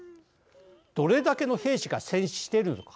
どれだけの兵士が戦死しているのか。